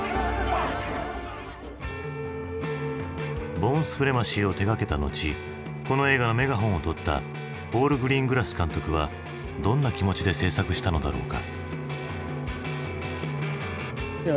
「ボーン・スプレマシー」を手がけた後この映画のメガホンをとったポール・グリーングラス監督はどんな気持ちで製作したのだろうか。